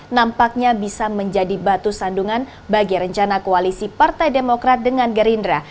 nampaknya bisa menjadi batu sandungan bagi rencana koalisi partai demokrat dengan gerindra